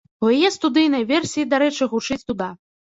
У яе студыйнай версіі, дарэчы, гучыць дуда.